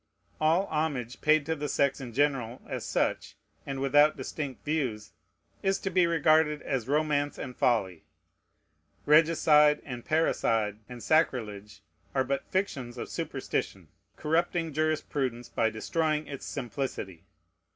All homage paid to the sex in general as such, and without distinct views, is to be regarded as romance and folly. Regicide, and parricide, and sacrilege, are but fictions of superstition, corrupting jurisprudence by destroying its simplicity.